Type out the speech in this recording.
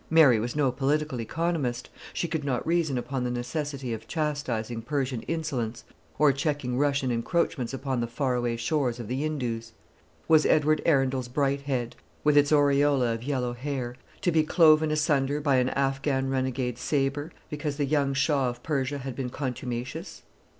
Mary was no political economist; she could not reason upon the necessity of chastising Persian insolence, or checking Russian encroachments upon the far away shores of the Indus. Was Edward Arundel's bright head, with its aureola of yellow hair, to be cloven asunder by an Affghan renegade's sabre, because the young Shah of Persia had been contumacious?